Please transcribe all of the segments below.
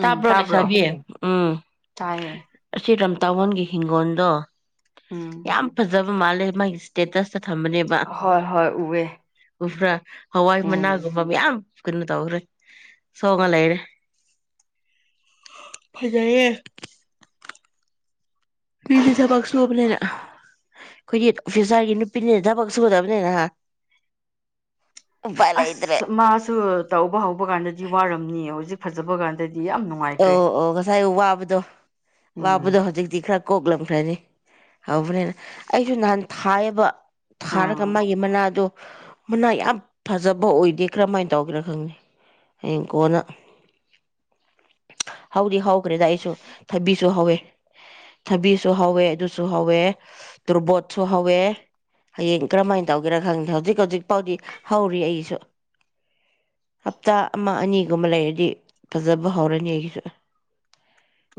ꯇꯥꯕ꯭ꯔꯣ ꯂꯩꯁꯥꯕꯤ ꯎꯝ ꯇꯥꯏꯌꯦ ꯁꯤꯔꯝ ꯇꯥꯋꯟꯒꯤ ꯍꯤꯡꯒꯣꯜꯗꯣ ꯎꯝ ꯌꯥꯝ ꯐꯖꯩ ꯃꯥꯜꯂꯦ ꯃꯥꯒꯤ ꯁ꯭ꯇꯦꯇꯁ ꯍꯣꯏ ꯍꯣꯏ ꯎꯋꯦ ꯎꯕ꯭ꯔꯥ ꯍꯋꯥꯏ ꯎꯝ ꯃꯅꯥꯒꯨꯝꯕ ꯃꯌꯥꯝ ꯀꯩꯅꯣ ꯇꯧꯈ꯭ꯔꯦ ꯁꯣꯡꯉ ꯂꯩꯔꯦ ꯐꯖꯩꯌꯦ ꯃꯤꯗꯤ ꯊꯕꯛ ꯁꯨꯕꯅꯤꯅ ꯑꯩꯈꯣꯏꯗꯤ ꯑꯣꯐꯤꯁꯥꯔꯒꯤ ꯅꯨꯄꯤꯅꯤꯅ ꯊꯕꯛ ꯁꯨꯗꯕꯅꯤꯅ ꯎꯄꯥꯏ ꯂꯩꯇ꯭ꯔꯦ ꯑꯁ ꯃꯥꯁꯨ ꯇꯧꯕ ꯍꯧꯕ ꯀꯥꯟꯗꯗꯤ ꯋꯥꯔꯝꯅꯤ ꯍꯧꯖꯤꯛ ꯐꯖꯕ ꯀꯥꯟꯗ ꯗꯤ ꯌꯥꯝ ꯅꯨꯡꯉꯥꯏꯈ꯭ꯔꯦ ꯉꯥꯏ ꯎꯕꯕꯗꯣ ꯋꯥꯕꯨꯗ ꯎꯝ ꯍꯧꯖꯤꯛꯛꯇꯛꯔ ꯀꯣꯛꯂꯝꯈ꯭ꯔꯅꯤ ꯍꯧꯕꯅꯦꯅ ꯑꯩꯁꯨ ꯅꯍꯥꯟ ꯊꯥꯏꯌꯦꯕ ꯊꯥꯔꯒ ꯑꯥ ꯃꯥꯒꯤ ꯃꯅꯥ ꯑꯗꯨꯣ ꯃꯅꯥ ꯌꯥꯝ ꯐꯖꯕ ꯑꯣꯏꯗꯦ ꯀꯔꯝꯍꯥꯏꯅ ꯇꯧꯒꯦꯔꯥ ꯈꯪꯅꯤꯦ ꯍꯡ ꯀꯣꯟꯅ ꯍꯧꯗꯤ ꯍꯧꯈ꯭ꯔꯦꯗ ꯑꯩꯁꯨ ꯊꯕꯤꯁꯨ ꯍꯧꯋꯦ ꯊꯕꯤꯁꯨ ꯍꯧꯋꯦ ꯑꯗꯨꯁꯨ ꯍꯧꯋꯦ ꯇꯣꯔꯕꯣꯠꯁꯨ ꯍꯧꯋꯦ ꯍꯌꯦꯡ ꯀꯔꯝꯍꯥꯏꯅ ꯇꯧꯒꯦꯔꯥ ꯈꯪꯗꯦ ꯍꯧꯖꯤꯛ ꯍꯧꯖꯤꯛ ꯐꯥꯎꯗꯤ ꯍꯧꯔꯤ ꯑꯩꯁꯨ ꯍꯞꯇꯥ ꯑꯃ ꯑꯅꯤꯒꯨꯝꯕ ꯂꯩꯔꯗꯤ ꯐꯖꯕ ꯍꯧꯔꯅꯤ ꯁꯨ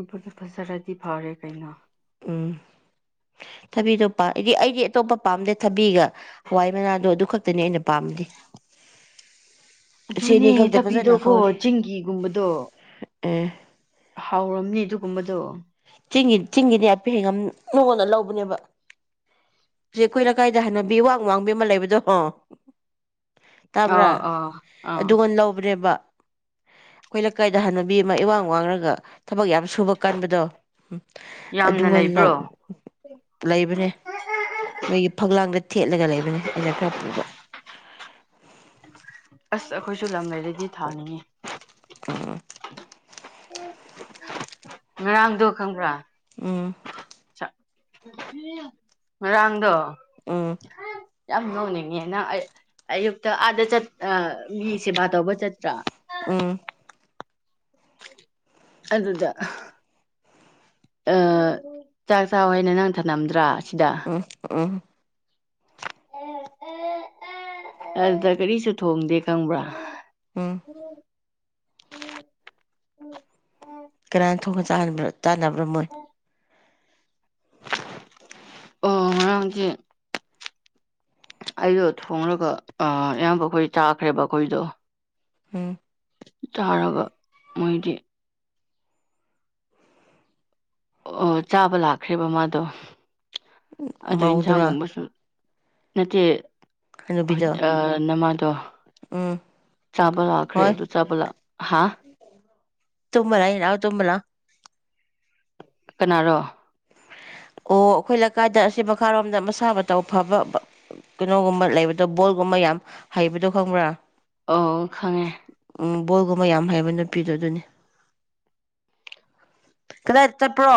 ꯎꯄꯨꯔꯗ ꯐꯖꯔꯗꯤ ꯐꯔꯦ ꯀꯩꯅꯣ ꯎꯝ ꯊꯕꯤꯗꯣꯗꯤ ꯑꯩꯗꯤ ꯑꯇꯣꯞꯄ ꯄꯥꯝꯗꯦ ꯊꯕꯤꯒ ꯍꯋꯥꯏ ꯃꯅꯥꯗꯣ ꯑꯗꯨ ꯈꯛꯇꯅꯤ ꯑꯩꯅ ꯄꯥꯝꯗꯦ ꯑꯗꯨꯅꯦ ꯊꯕꯤꯗꯣꯀꯣ ꯆꯤꯡꯒꯤꯒꯨꯝꯕꯗꯣ ꯑꯣ ꯍꯥꯎꯔꯝꯅꯤ ꯑꯗꯨꯒꯨꯝꯕꯗꯣ ꯇꯦꯡꯉꯤꯟ ꯁꯤꯡꯒꯤꯅꯦ ꯑꯄꯦ ꯍꯦꯟ ꯌꯥꯝ ꯅꯣꯡꯉꯣꯟꯗ ꯂꯧꯕꯅꯦꯕ ꯍꯧꯛ ꯀꯣꯏꯔ ꯀꯥꯏꯗ ꯍꯥꯏꯅꯕꯤ ꯋꯥꯡ ꯋꯥꯡꯕꯤ ꯑꯃ ꯂꯩꯕꯗꯣ ꯍ ꯇꯥꯕ꯭ꯔꯥ ꯑꯥ ꯑꯥ ꯑꯥ ꯑꯗꯨꯒ ꯂꯧꯕ꯭ꯔꯦꯕ ꯑꯩꯈꯣꯏ ꯂꯩꯀꯥꯏꯗ ꯍꯥꯟꯅꯕꯤ ꯑꯃ ꯏꯋꯥꯡ ꯋꯥꯡꯔꯒ ꯊꯕꯛ ꯌꯥꯝ ꯁꯨꯕ ꯀꯟꯕꯗꯣ ꯎ ꯌꯥꯝꯅ ꯑꯗꯨꯒ ꯂꯩꯕ꯭ꯔꯣ ꯂꯩꯕꯅꯦ ꯃꯣꯏꯒꯤ ꯐꯛꯂꯥꯡꯗ ꯊꯦꯠꯂꯒ ꯂꯩꯕꯅꯦ ꯑꯩꯅ ꯈꯔ ꯄꯨꯕ ꯑꯁ ꯑꯩꯈꯣꯏꯁꯨ ꯂꯝ ꯂꯩꯔꯗꯤ ꯊꯥꯅꯤꯡꯉꯤ ꯑ ꯉꯔꯥꯡꯗꯣ ꯈꯪꯕ꯭ꯔꯥ ꯎꯝ ꯔꯥꯡꯗꯣ ꯎꯝ ꯌꯥꯝ ꯂꯣꯡꯅꯤꯡꯉꯦꯅ ꯑꯌꯨꯛꯇ ꯑꯥꯗ ꯆꯠ ꯃꯤ ꯁꯦꯕꯥ ꯇꯧꯕ ꯆꯠꯇ꯭ꯔꯥ ꯎꯝ ꯑꯗꯨꯗ ꯑ ꯆꯥꯛ ꯆꯥ ꯍꯥꯏꯦꯅ ꯅꯪ ꯊꯝꯂꯝꯝꯗ꯭ꯔꯥ ꯑ ꯑ ꯑꯗꯨꯗ ꯀꯔꯤꯁꯨ ꯊꯣꯡꯗꯦ ꯈꯪꯕ꯭ꯔꯥ ꯎꯝ ꯎ ꯀꯅꯥꯅ ꯊꯣꯡꯟꯕ꯭ꯔ ꯇꯥꯅꯕ꯭ꯔꯥ ꯃꯣꯏ ꯑꯣ ꯍꯖꯤ ꯑꯩꯗꯣ ꯊꯣꯡꯂꯒ ꯑꯌꯥꯝꯕ ꯑꯩꯈꯣꯏ ꯆꯥꯈ꯭ꯔꯦꯕ ꯑꯩꯈꯣꯏꯗꯣ ꯎꯝ ꯆꯥꯎꯔꯒ ꯃꯣꯏꯗꯤ ꯑꯣ ꯆꯥꯕ ꯂꯥꯛꯈ꯭ꯔꯦꯕ ꯃꯥꯗꯣ ꯑꯗꯨ ꯃꯥꯎꯗꯔꯥ ꯏꯟꯁꯥꯡꯒꯨꯝꯕꯁꯨ ꯅꯠꯇꯦ ꯍꯅꯨꯕꯤꯗꯣ ꯅꯃꯥꯗꯣ ꯎꯝ ꯆꯥꯕ ꯂꯥꯛꯈ꯭ꯔꯦ ꯍꯣꯏ ꯑꯗꯨ ꯆꯥꯕ ꯍꯥ ꯇꯨꯝꯕ ꯂꯥꯛꯏ ꯂꯥꯛꯑꯣ ꯇꯨꯝꯕ ꯂꯥꯛꯑꯣ ꯀꯅꯥꯔꯣ ꯑꯣ ꯑꯩꯈꯣꯏ ꯂꯩꯀꯥꯏꯗ ꯑꯁꯤ ꯃꯈꯥꯔꯣꯝꯗ ꯃꯁꯥ ꯃꯇꯎ ꯐꯕ ꯀꯩꯅꯣꯒꯨꯝꯕ ꯂꯩꯕꯗꯣ ꯕꯣꯜꯒꯨꯝꯕ ꯌꯥꯝ ꯍꯩꯕꯗꯣ ꯈꯪꯕ꯭ꯔꯥ ꯑꯣ ꯈꯪꯉꯦ ꯎꯝ ꯕꯣꯜꯒꯨꯝꯕ ꯌꯥꯝ ꯍꯩꯕ ꯅꯨꯄꯤꯗꯣ ꯑꯗꯨꯅꯤ ꯀꯗꯥꯏ ꯆꯠꯄ꯭ꯔꯣ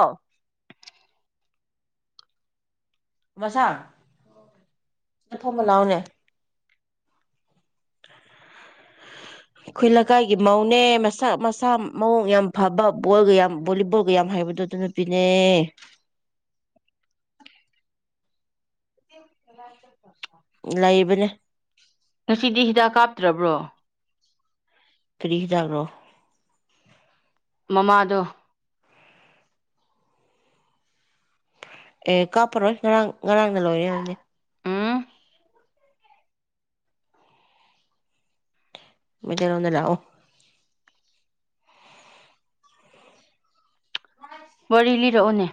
ꯃꯁꯥ ꯁꯦꯐꯝꯃꯂꯥꯎꯅꯦ ꯑꯩꯈꯣꯏ ꯂꯩꯀꯥꯏꯒꯤ ꯃꯧꯅꯦ ꯃꯁꯥ ꯃꯁꯥ ꯃꯑꯣꯡ ꯌꯥꯝ ꯐꯕ ꯕꯣꯜꯒ ꯌꯥꯝ ꯕꯣꯂꯤꯕꯣꯜꯒ ꯌꯥꯝ ꯍꯥꯏꯕꯗꯨ ꯑꯗꯨ ꯅꯨꯄꯤꯅꯦ ꯂꯩꯥꯏꯕꯅꯦ ꯉꯁꯤꯗꯤ ꯍꯤꯗꯥꯛ ꯀꯥꯞꯇ꯭ꯔꯕ꯭ꯔꯣ ꯀꯔꯤ ꯍꯤꯗꯥꯛꯔꯣ ꯃꯃꯥꯗꯣ ꯑꯦ ꯀꯥꯞꯄꯔꯣꯏ ꯉꯔꯥꯡ ꯉꯔꯥꯡꯗ ꯂꯣꯏꯔꯦ ꯍꯥꯏꯕꯅꯦ ꯎꯝ ꯃꯩꯇꯩ ꯂꯣꯟꯗ ꯂꯥꯛꯑꯣ ꯋꯥꯔꯤ ꯂꯤꯔꯛꯑꯣꯅꯦ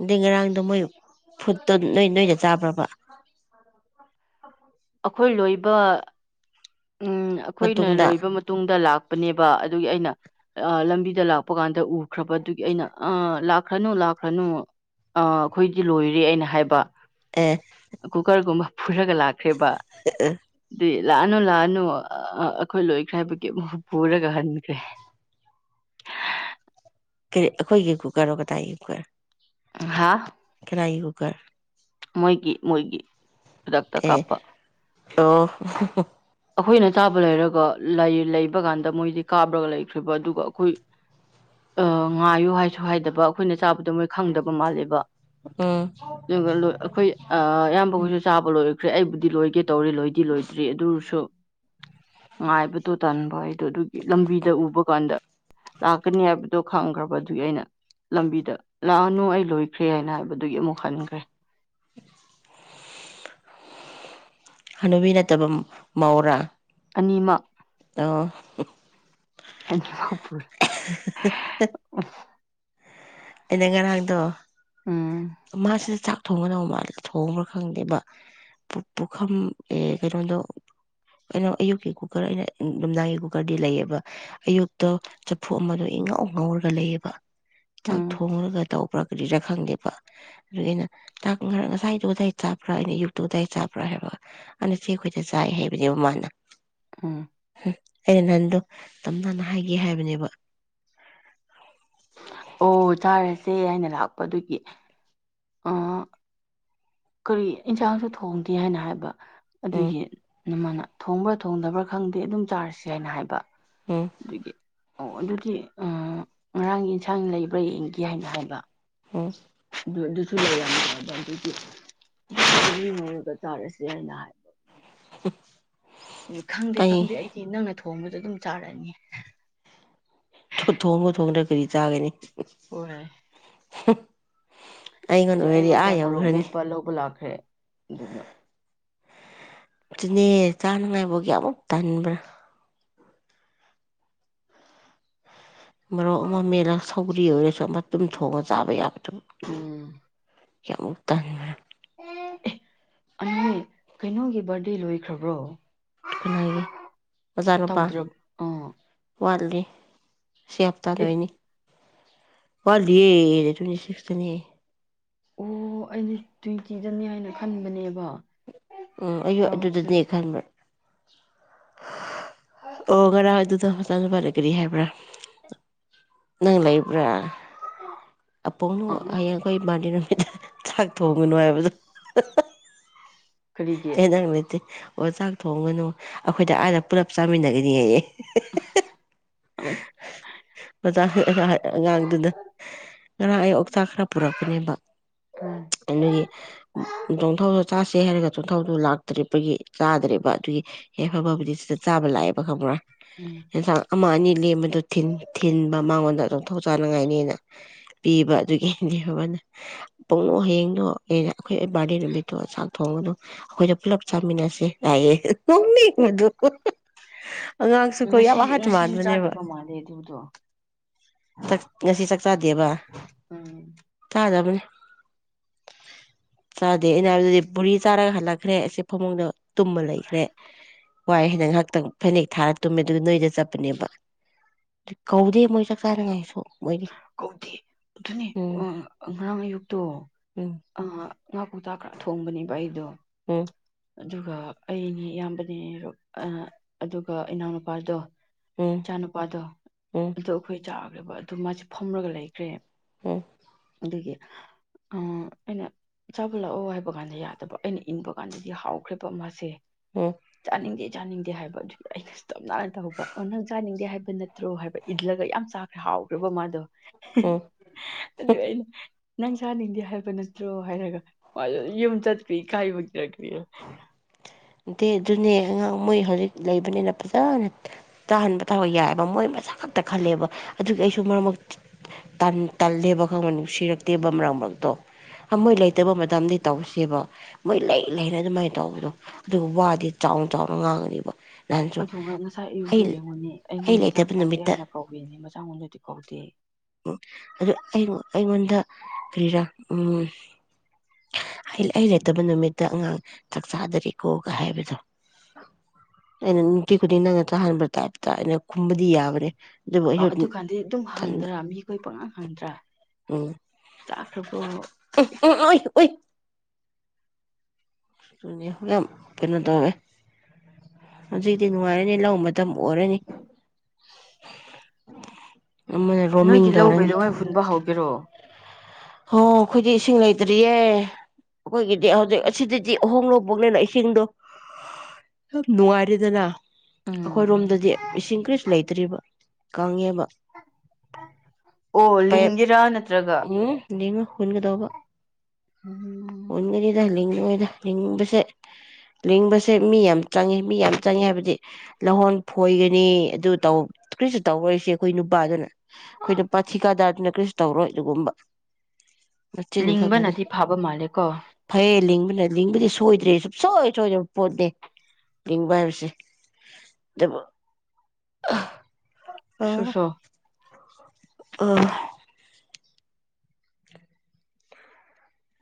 ꯑꯗꯩ ꯉꯔꯥꯡꯗꯣ ꯃꯣꯏ ꯐꯨꯠꯇꯣ ꯅꯣꯏ ꯅꯣꯏꯗ ꯆꯥꯕ꯭ꯔꯕ ꯑꯩꯈꯣꯏ ꯂꯣꯏꯕ ꯎꯝ ꯑꯩꯈꯣꯏꯅ ꯃꯇꯨꯡꯗ ꯂꯣꯏꯕ ꯃꯇꯨꯡꯗ ꯂꯥꯛꯄꯅꯦꯕ ꯑꯗꯨꯒꯤ ꯑꯩꯅ ꯂꯝꯕꯤꯗ ꯂꯥꯛꯄ ꯀꯥꯟꯗ ꯎꯈ꯭ꯔꯕꯗꯨꯒꯤ ꯑꯩꯅ ꯑ ꯂꯥꯛꯈ꯭ꯔꯅꯨ ꯂꯥꯛꯈ꯭ꯔꯅꯨ ꯑ ꯑꯩꯈꯣꯏꯗꯤ ꯂꯣꯏꯔꯦ ꯑꯩꯅ ꯍꯥꯏꯕ ꯑꯦ ꯀꯨꯀꯔ ꯒꯨꯝꯕ ꯈꯔꯒ ꯂꯥꯛꯈ꯭ꯔꯦꯕ ꯑꯗꯨꯗꯤ ꯂꯥꯛꯑꯅꯣ ꯂꯥꯛꯑꯅꯣ ꯑꯩꯈꯣꯏ ꯂꯣꯏꯈ꯭ꯔꯦ ꯍꯥꯏꯕꯒꯤ ꯑꯃꯨꯛ ꯄꯨꯔꯒ ꯍꯟꯈ꯭ꯔꯦ ꯀꯔꯤ ꯑꯩꯈꯣꯏꯒꯤ ꯀꯨꯀꯔꯔꯣ ꯀꯗꯥꯥꯏꯒꯤ ꯀꯨꯀꯔ ꯍꯥꯥ ꯀꯅꯥꯒꯤ ꯀꯨꯛꯀꯔ ꯃꯣꯏꯒꯤ ꯃꯣꯏꯒꯤ ꯈꯨꯗꯛꯇ ꯑꯦ ꯀꯥꯞꯄ ꯑꯣ ꯑꯩꯈꯣꯏꯅ ꯆꯥꯕ ꯂꯩꯔꯒ ꯂꯩꯕ ꯀꯥꯟꯗ ꯃꯣꯏꯗꯤ ꯀꯥꯞꯔꯒ ꯂꯩꯈ꯭ꯔꯤꯕ ꯑꯗꯨꯒ ꯑꯩꯈꯣꯏ ꯉꯥꯏꯌꯨ ꯍꯥꯏꯁꯨ ꯍꯥꯏꯗꯕ ꯑꯩꯈꯣꯏꯅ ꯆꯥꯕꯗ ꯃꯣꯏ ꯈꯪꯗꯕ ꯃꯥꯜꯂꯦꯕ ꯎꯝ ꯑꯗꯨꯒ ꯑꯩꯈꯣꯏ ꯏꯌꯥꯝꯕꯍꯣꯏꯁꯨ ꯆꯥꯕ ꯂꯣꯏ ꯈ꯭ꯔꯦ ꯑꯩꯕꯨꯗꯤ ꯂꯣꯏꯒꯦ ꯇꯧꯔꯦ ꯂꯣꯏꯗꯤ ꯂꯣꯏꯗ꯭ꯔꯤ ꯑꯗꯨ ꯁꯨ ꯉꯥꯏꯕꯗꯣ ꯇꯟꯕ ꯑꯩꯗꯣ ꯑꯗꯨꯒꯤ ꯂꯝꯕꯤꯗ ꯎꯕ ꯀꯥꯟꯗ ꯂꯥꯛꯀꯅꯤ ꯍꯥꯏꯕꯗꯣ ꯈꯪꯈ꯭ꯔꯕꯗꯨꯒꯤ ꯑꯩꯅ ꯂꯝꯕꯤꯗ ꯂꯥꯛꯑꯅꯨ ꯑꯩ ꯂꯣꯏꯈ꯭ꯔꯦ ꯍꯥꯏꯅ ꯍꯥꯏꯕꯗꯨꯒꯤ ꯑꯃꯨꯛ ꯍꯟꯈ꯭ꯔꯦ ꯍꯅꯨꯕꯤ ꯅꯠꯇꯕ ꯃꯧꯔꯥ ꯑꯅꯤꯃꯛ ꯑꯣ [unintelligible] ꯑꯩꯅ ꯉꯔꯥꯡꯗꯣ ꯎꯝ ꯃꯥꯁꯨ ꯆꯥꯛ ꯊꯣꯡꯒꯗꯧꯕ ꯃꯥꯜꯂꯤ ꯊꯣꯡꯕ꯭ꯔꯥ ꯈꯪꯗꯦꯕ ꯄꯨꯈꯝ ꯑꯦ ꯀꯩꯅꯣꯗꯣ ꯀꯩꯅꯣ ꯑꯌꯨꯛꯀꯤ ꯀꯨꯀꫪ ꯑꯩꯅ ꯅꯨꯡꯗꯥꯡꯒꯤ ꯀꯨꯀꫪꯗꯤ ꯂꯩꯌꯦꯕ ꯑꯌꯨꯛꯇ ꯆꯐꯨ ꯑꯃꯗꯣ ꯏꯉꯥꯎ ꯉꯥꯎꯔꯒ ꯂꯩꯌꯦꯕ [inaudible] ꯎꯝ ꯇꯧꯕ꯭ꯔꯥ ꯀꯔꯤꯔꯥ ꯈꯪꯗꯦꯕ ꯑꯗꯨꯒꯤ ꯑꯩꯅ ꯆꯥꯛ ꯈꯔ ꯉꯁꯥꯏꯗꯨꯣ ꯑꯗꯥꯏ ꯆꯥꯕ꯭ꯔꯥ ꯑꯩꯅ ꯌꯨꯛꯇꯨ ꯑꯗꯥꯏ ꯆꯥꯕ꯭ꯔꯥ ꯍꯥꯏꯕ ꯑꯅꯆꯦ ꯑꯩꯈꯣꯏꯗ ꯆꯥꯏ ꯍꯥꯏꯕꯅꯦꯕ ꯃꯥꯅ ꯎꯝ ꯑꯩꯅ ꯅꯍꯟꯗꯣ ꯇꯞ ꯇꯥꯅ ꯍꯥꯏꯒꯦ ꯍꯥꯏꯕꯅꯦꯕ ꯑꯣ ꯆꯥꯔꯁꯦ ꯍꯥꯏꯅ ꯂꯥꯛꯄ ꯑꯗꯨꯒꯤ ꯑꫭ ꯀꯔꯤ ꯏꯟꯁꯥꯡꯁꯨ ꯊꯣꯡꯗꯦ ꯍꯥꯏꯅ ꯍꯥꯏꯕ ꯎꯝ ꯑꯗꯨꯒꯤ ꯅꯃꯅ ꯊꯣꯡꯕ꯭ꯔꯥ ꯊꯣꯡꯗꯕ꯭ꯔꯥ ꯈꯪꯗꯦ ꯑꯗꯨꯝ ꯆꯥꯔꯁꯤ ꯍꯥꯏꯅ ꯍꯥꯏꯕ ꯎꯝ ꯑꯗꯨꯒꯤ ꯑꯣ ꯑꯗꯨꯗꯤ ꯑ ꯉꯔꯥꯡꯒꯤ ꯏꯟꯁꯥꯡ ꯂꯩꯕ꯭ꯔꯥ ꯌꯦꯡꯒꯦ ꯍꯥꯏꯅ ꯍꯥꯏꯕ ꯎꯝ [unintelligible] [unintelligible] [unintelligible] ꯉꯧꯔꯒ ꯆꯥꯔꯁꯦ ꯍꯥꯏꯅ ꯍꯥꯏꯕ ꯃꯣꯏꯗ [inaudible] ꯈꯪꯗꯦ ꯑꯩ ꯈꯪꯗꯦ ꯑꯩꯗꯤ ꯅꯪꯅ ꯊꯣꯡꯕꯗꯨ ꯑꯗꯨꯝ ꯆꯥꯔꯅꯤ ꯊꯊꯣꯡꯕ ꯊꯣꯡꯗ꯭ꯔ ꯀꯔꯤ ꯆꯥꯒꯅꯤ ꯍꫭꯏ [unintelligible] ꯑꯩꯁꯨ ꯑꯣꯏꯔꯗꯤ ꯑꯥ ꯑꯩꯉꯣꯟꯗ ꯃꯣꯔꯣꯛ ꯌꯧꯈ꯭ꯔꯅꯤ ꯃꯦꯠꯄ ꯂꯧꯕ ꯂꯥꯛꯈ꯭ꯔꯦ ꯑꯗꯨꯒ ꯗꯨꯅꯦ ꯆꯥꯅꯉꯥꯏꯕꯨꯛꯒꯤ ꯑꯃꯨꯛ ꯇꯟꯕ꯭ꯔꯥ ꯃꫭꯔꫭꯛ ꯑꯃ ꯃꯦꯠꯂ ꯁꯧꯒꯔꯤ ꯑꯣꯏꯔ ꯁꯨ ꯑꯃ ꯗꯨꯨꯝ ꯊꯣꯡꯉ ꯆꯥꯕ ꯌꯥꯕꯗꯨꯕꯨ ꯎꯝ ꯀꯌꯥꯃꯨꯛꯇꯟꯒ꯭ꯔꯦ ꯑꯦ [unintelligible] ꯀꯩꯅꯣꯒꯤ ꯕꯥꫪꯗꯦ ꯂꯣꯏꯈ꯭ꯔꯕ꯭ꯔꯣ ꯈꯨꯅꯥꯏꯒꯤ ꯑꯣꯖꯥꯅꯨꯄꯥ ꯇꯧꯗ꯭ꯔ ꯑꯥ ꯋꯥꯠꯂꯤ ꯁꯤꯌꯥꯐꯇꯥ ꯑꯦ ꯂꫭꯏꯅꯤ ꯋꯥꯗꯤꯌꯦ ꯗꯦ ꯇ꯭ꯋꯦꯟꯤ ꯁꯤꯛꯁ ꯇꯅꯦ ꯑꯣ ꯑꯩꯅ ꯇ꯭ꯋꯦꯟꯇꯤꯗꯅꯤ ꯍꯥꯏꯅ ꯈꯟꯕꯅꯦꯕ ꯎꯝ ꯑꯩꯨ ꯇꯧꯗ꯭ꯔ ꯑꯗꯨꯗꯅꯦ ꯈꯟꯕ꯭ꯔꯥ ꯑꯣꯉꯔꯥꯡ ꯑꯗꯨꯗꫭ ꯂꯩ ꯅꯪ ꯅꯨꯄꯥꯗ ꯇꯧ ꯠꯍꯥꯏꯕꯥꯄꯒꯔꯤꯄ ꯍꯥꯏꯕ꯭ꯔꯥ ꯅꯪ ꯂꯩꯕ꯭ꯔꯥ ꯑ ꯑꯄꯣꯡꯅꫭ ꯍꯌꯦꯡ ꯑꯩꯈꯣꯏ [unintelligible] ꯆꯥꯛ ꯊꯣꯡꯉꯨꯅꯨ ꯍꯥꯏꯕꯗꯣ ꯀꯔꯤꯒꯤ ꯌꯦꯟꯖꯥꯡ ꯂꯩꯇꯦ ꯑꯣ ꯆꯥꯛ ꯊꯣꯡꯒꯅꯨ ꯑꯩꯈꯣꯏꯗꯤ ꯑꯥꯗ ꯄꯨꯂꯞ ꯆꯥꯃꯤꯟꯅꯒꯅꯤꯍꯌꯦ ꯎꯝ [unintelligible] ꯑꯉꯥꯡꯗꯨꯗ ꯉꯔꯥꯡ ꯑꯩ ꯑꯣꯛꯆꯥꯛ ꯈꯔ ꯄꯨꯔꯛꯄꯅꯦꯕ ꯎꯝ ꯑꯗꯨꯒꯤ [unintelligible] ꯆꯥꯁꯦ ꯍꯥꯏꯔꯒ ꯆꯣꯟꯊꯧꯗꯨ ꯂꯥꯛꯇ꯭ꯔꯤꯕꯒꯤ ꯆꯥꯗ꯭ꯔꯦꯕ ꯑꯗꯨꯒꯤ ꯌꯥꯏꯐꯕꯕꯨꯗꯤ ꯁꯤꯗ ꯆꯥꯕ ꯂꯥꯛꯑꯦꯕ ꯈꯪꯕ꯭ꯔꯥ ꯎꯝ ꯌꯦꯟꯁꯥꯡ ꯑꯃ ꯑꯅꯤ ꯂꯦꯝꯕꯗꯨ ꯊꯤꯟ, ꯊꯤꯟꯕ ꯃꯥꯉꯣꯟꯗ ꯑꯗꯨꯝ ꯊꯧ ꯆꯥꯅꯤꯡꯉꯥꯏꯅꯤꯅ ꯄꯤꯕ ꯑꯗꯨꯒꯤꯗꯤ [unintelligible] ꯄꯨꯡꯉꯣ ꯍꯌꯦꯡꯗꯣ ꯑꯦꯅ ꯑꯩꯈꯣꯏ ꯕꯥꯔꯗꯦ ꯅꯨꯃꯤꯠꯇꯣ ꯆꯥꯛ ꯊꯣꯡꯉꯅꯨ ꯑꯩꯈꯣꯏꯗ ꯄꯨꯂꯞ ꯆꯥꯃꯤꯟꯅꯁꯦ ꯂꯥꯛꯑꯑꯦ ꯑꯉꯥꯡꯁꯨꯀꫭ ꯌꯥꯝ ꯉꯁꯤ ꯑꯍꯟ ꯉꯁꯤꯁꯨ ꯃꯥꯟꯕꯅꯦꯕ ꯆꯥꯗꯕ ꯃꯥꯜꯂꯦ ꯑꯗꯨꯗꯣ ꯉꯁꯤ ꯆꯥꯛ ꯆꯗꯦꯕ ꯎꯝ ꯆꯥꯗꯕꯅꯦ ꯆꯥꯗꯦ ꯑꯩꯅ ꯍꯥꯏꯕꯗꯨꯗꯤ ꯄꯨꯔꯤ ꯆꯥꯔꯒ ꯍꯜꯂꯛꯈ꯭ꯔꯦ ꯑꯁꯤ ꯐꯃꯨꯡꯗ ꯇꯨꯝꯃ ꯂꯩꯈ꯭ꯔꯦ ꯋꯥꯏ ꯍꯟꯅ ꯉꯍꯥꯛꯇꯪ ꯐꯅꯦꯛ ꯊꯥꯔ ꯇꯨꯝꯃꯦ ꯑꯗꯨ ꯅꯣꯏꯗ ꯆꯞꯄꯅꯦꯕ ꯀꯧꯗꯦ ꯃꯣꯏ ꯆꯥꯛ ꯆꯥꯔꯤꯉꯩꯁꯨ ꯀꯧꯗꯦ ꯑꯗꯨꯅꯦ ꯎꯝ ꯉꯔꯥꯡ ꯑꯌꯨꯛꯇꯣ ꯎꯝ ꯑ ꯉꯥꯀꯧꯇꯥꯥ ꯈꯔ ꯊꯣꯡꯕꯅꯦꯕ ꯑꯩꯗꯣ ꯎꯝ ꯑꯗꯨꯒ ꯑꯩꯅꯦ ꯏꯌꯥꯝꯕꯅꯦ ꯑꯗꯨꯒ ꯏꯅꯥꯎꯅꯨꯄꯥꯗꯣ ꯎꯝ ꯏꯆꯥꯅꯨꯄꯥꯗꯣ ꯎꯝ ꯑꯗꯣ ꯑꯩꯈꯣꯏ ꯆꯥꯛ [unintelligible] ꯑꯗꯨ ꯃꯥꯁꯦ ꯐꯝꯔꯒ ꯂꯩꯈ꯭ꯔꯦ ꯎꯝ ꯑꯗꯨꯒꯤ ꯑ ꯑꯩꯅ ꯆꯥꯕ ꯂꯥꯛꯑꯣ ꯍꯥꯏꯕ ꯀꯥꯟꯗ ꯌꯥꯗꯕ ꯑꯩꯅ ꯏꯟꯕ ꯀꯥꯟꯗꯗꯤ ꯍꯥꯎꯈ꯭ꯔꯦꯕ ꯑꯃꯁꯁꯦ ꯎꯝ ꯆꯅꯤꯡꯗꯦ ꯪ ꯆꯥꯅꯤꯡꯗꯦ ꯍꯥꯏꯕ ꯑꯗꯨꯒꯤ ꯑꯩꯅꯁꯨ [unintelligible] ꯑꯣ ꯅꯪ ꯆꯥꯅꯤꯡꯗꯦ ꯍꯥꯏꯕ ꯅꯠꯇ꯭ꯔꯣ ꯍꯥꯏꯕ ꯏꯟꯂꯒ ꯌꯥꯝ ꯆꯥꯈ꯭ꯔꯦ ꯍꯥꯎ ꯔꯕ ꯃꯥꯗꯣ ꯎꯝ ꯑꯗꯨ ꯑꯩꯅ ꯅꯪ ꯆꯥꯅꯤꯡꯗꯦ ꯍꯥꯏꯕ ꯅꯠꯇ꯭ꯔꯣ ꯍꯥꯏꯔꯒ ꯃꯥꯁꯨ ꯌꯨꯝ ꯆꯠꯈ꯭ꯔꯤ ꯏꯀꯥꯏꯕꯒꯤꯔꯥ ꯀꯔꯤꯅꫭ ꯅꯠꯇꯦ ꯑꯗꯨꯅꯦ ꯑꯉꯥꯡ ꯃꯣꯏ ꯍꯧꯖꯤꯛ ꯂꯩꯕꯅꯤꯅ ꯐꯖꯅ ꯇꯥꯍꯟꯕ ꯗꫭ ꯌꯥꯏꯑꯕ ꯃꯣꯏ ꯃꯁ ꯈꯛꯇ ꯈꯜꯂꯦꯕ ꯑꯗꯨꯒꯤ ꯑꯩꯁꯨ ꯃꯔꯛ ꯃꯔꯛ ꯇꯟ ꯇꯜꯂꯦꯕ ꯈꯪꯕ ꯅꯨꯡꯁꯤꯔꯛꯇꯦꯕ ꯃꯔꯛ ꯃꯔꯛꯇꯣ ꯃꯣꯏ ꯂꯩꯇꯕ ꯃꯇꯝꯗꯤ ꯇꯧꯁꯦꯕ ꯃꯣꯏ ꯂꯩ ꯂꯩꯅ ꯑꯗꯨꯃꯥꯏꯅ ꯇꯧꯕꯗꯣ ꯑꯗꯨꯒ ꯋꯥꯗꯤ ꯆꯥꯎꯅ ꯆꯥꯎꯅ ꯉꯥꯡꯉꯅꯤꯕ ꯑꯩꯗꯨꯒ ꯉꯁꯥꯏ ꯑꯌꯨꯛꯁꯨ ꯌꯦꯡꯉꯨꯅꯦ ꯑꯩ ꯑꯩꯉꯣꯟꯗ ꯆꯥꯛ ꯂꯩꯇꯕ ꯆꯥꯥꯁꯦ ꯅꯨꯃꯤꯠꯇ ꯍꯥꯏꯅ ꯀꯧꯔꯤꯅꯤ ꯃꯆꯥꯉꯣꯟꯗꯗꯤ ꯀꯧꯗꯦ ꯎꯝ ꯑꯗꯨ ꯑꯩ ꯑꯩꯉꯣꯟꯗ ꯀꯔꯤꯔꯥ ꯎꯝ ꯑꯩ ꯂꯩꯇꯕ ꯅꯨꯃꯤꯠꯇ ꯑꯉꯥꯡ ꯆꯥꯛ ꯆꯥꯗꯔꯤꯀꯣꯒ ꯍꯥꯏꯕꯗꯣ ꯑꯩꯅ ꯅꯨꯡꯇꯤ ꯈꯨꯗꯤꯡ ꯅꯪꯅ ꯆꯥꯍꯟꯕ ꯇꯥꯏꯞꯇ ꯑꯩꯅ ꯈꯨꯝꯕꯗꯤ ꯌꯥꯕꯅꯦ ꯑꯗꯨꯕꯨ ꯑꯣ ꯑꯩꯁꯨ ꯑꯗꯨꯀꯥꯟꯗꯤ ꯑꯗꯨꯝ ꯍꯪꯗ꯭ꯔꯥ ꯃꯤꯈꯣꯏ ꯄꯪꯍꯪ ꯍꯪꯗ꯭ꯔꯥ ꯎꯝ ꯆꯥꯈ꯭ꯔꯕ꯭ꯔꯣ ꯑꯁ ꯎꯝ [unintelligible] ꯑꯗꯨꯅꯦ ꯌꯥꯝ ꯀꯩꯅꯣ ꯇꯧꯋꯦ ꯍꯧꯖꯤꯛꯇꯤ ꯅꯨꯡꯉꯥꯏꯔꯅꯤ ꯂꯧ ꯃꯇꯝ ꯑꯣꯏꯔꯅꯤ [inaudible] ꯑꯃꯅ ꯔꯣꯃꯤꯡ ꯅꯣꯏꯒꯤ ꯂꯧ ꯇꯧꯔꯅꯤ ꯀꯩꯗꯧꯉꯩ ꯍꯨꯟꯕ ꯍꯧꯒꯦꯔꯣ ꯍꯣ ꯑꯩꯈꯣꯏꯗꯤ ꯏꯁꯤꯡ ꯂꯩꯇ꯭ꯔꯤꯌꯦ ꯑꯩꯈꯣꯏꯒꯤꯗꯤ ꯍꯧꯖꯤꯛ ꯑꯁꯤꯗꯗꯤ ꯑꯍꯣꯡꯂꯣ ꯕꯣꯛꯅꯦꯅ ꯏꯁꯤꯡꯗꯣ ꯌꯥꯝ ꯅꯨꯡꯉꯥꯏꯔꯦꯗꯅ ꯎꯝ ꯑꯩꯈꯣꯏꯔꯣꯝꯗꯗꯤ ꯏꯁꯤꯡ ꯀꯔꯤꯁꯨ ꯂꯩꯇꯦ ꯇ꯭ꯔꯤꯕ ꯀꯪꯉꯦꯕ ꯑꯣ ꯂꯤꯡꯒꯦꯔꯥ ꯅꯠꯇ꯭ꯔꯒ ꯌꯦꯡꯉ ꯍꯨꯟꯒꯗꯕ ꯎꯝ ꯍꯨꯟꯒꯔꯤꯗ ꯂꯤꯡ ꯌꯦꯗ ꯂꯤꯡꯕꯁꯦ ꯂꯤꯡꯕꯁꯦ ꯃꯤ ꯌꯥꯝ ꯆꯪꯉꯦ ꯃꯤ ꯌꯥꯝ ꯆꯪꯉꯦ ꯍꯥꯏꯕꯗꯤ ꯂꯍꯣꯟ ꯐꯣꯏꯒꯅꯤ ꯑꯗꯨ ꯇꯧ ꯀꯔꯤꯁꯨ ꯇꯧꯔꯣꯏꯁꯦ ꯑꯩꯈꯣꯏ ꯅꯨꯄꯥꯗꯨꯅ ꯑꯩꯈꯣꯏ ꯅꯨꯄꯥ ꯊꯤꯀꯥꯗꯥꯔꯗꯨꯅ ꯀꯔꯤꯁꯨ ꯇꯧꯔꯣꯏ ꯑꯗꯨꯒꯨꯝꯕ ꯃꯆꯤꯟꯅꯤ ꯈꯛꯇꯅꯤ ꯂꯤꯡꯕꯅꯗꯤ ꯐꯕ ꯃꯥꯜꯂꯦꯀꯣ ꯐꯌꯦ ꯂꯤꯡꯕꯗꯤ ꯁꯣꯏꯗ꯭ꯔꯦ ꯁꯨꯡꯁꯣꯏ ꯁꯣꯏꯗꯕ ꯄꯣꯠꯅꯦ ꯂꯤꯡꯕ ꯍꯥꯏꯕꯁꯦ ꯑꯗꯨꯕꯨ ꯁꯨꯁꯣ ꯑꯥ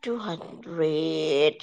ꯇꯨ ꯍꯟꯗ꯭ꯔꯦꯠ